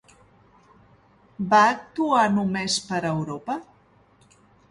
Va actuar només per Europa?